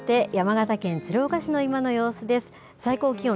かわって、山形県鶴岡市の今の様子です。